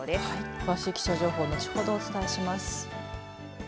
詳しい気象情報後ほどお伝えします。